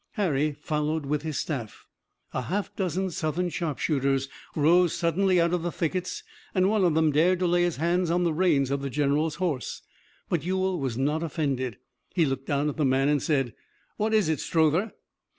Harry followed with his staff. A half dozen Southern sharpshooters rose suddenly out of the thickets, and one of them dared to lay his hands on the reins of the general's horse. But Ewell was not offended. He looked down at the man and said: "What is it, Strother?"